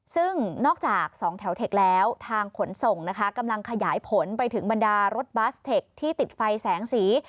ซึ่งนอกจาก๒แถวเทคแล้วทางขนส่งนะคะกำลังขยายผลไปถึงบรรดารถบัสเทคที่ติดไฟแสงสี